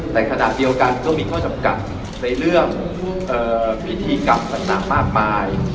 แต่ขณะเดียวกันก็มีข้อจำกัดในเรื่องพิธีกรรมต่างมากมาย